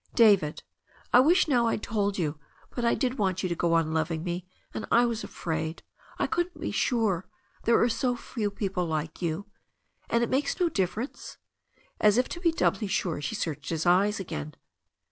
"David, I wish now I'd told you, but I did want you to go on loving me, and I was afraid. I couldn't be sure — ^there are so few people like you — ^and it makes no difference?" As if to be doubly sure she searched his eyes again.